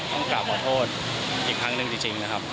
ต้องกลับมาโทษอีกครั้งหนึ่งจริงนะครับ